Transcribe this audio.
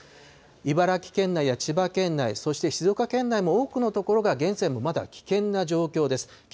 茨城県内や千葉県内、そして静岡県内も多くの所が現在もまだ危険な状況です。